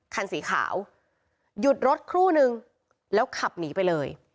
คันสีขาวหยุดรถครู่นึงแล้วขับหนีไปเลย